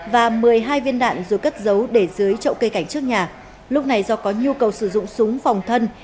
và một mươi hai viên đạn rồi cất giấu để dưới trậu cây cảnh trước nhà lúc này do có nhu cầu sử dụng súng phòng thân